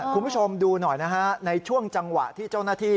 คุณผู้ชมดูหน่อยนะฮะในช่วงจังหวะที่เจ้าหน้าที่